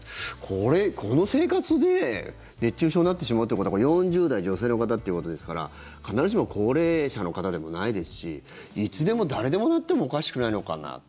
この生活で、熱中症になってしまうってことはこれ、４０代女性の方っていうことですから必ずしも高齢者の方でもないですしいつでも誰でもなってもおかしくないのかなって。